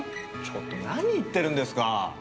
ちょっと何言ってるんですか！